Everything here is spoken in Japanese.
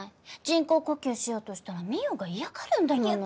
人工呼吸しようとしたら澪が嫌がるんだもん。